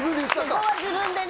そこは自分でね。